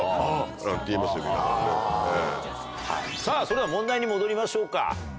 さぁそれでは問題に戻りましょうか。